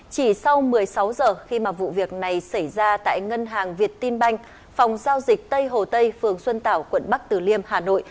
chỉ sau một mươi sáu giờ khi mà vụ việc này xảy ra tại ngân hàng việt tin banh phòng giao dịch tây hồ tây phường xuân tảo quận bắc từ liêm hà nội